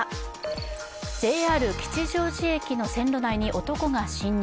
ＪＲ吉祥寺駅の線路内に男が侵入。